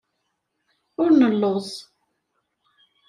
Ur nelluẓ.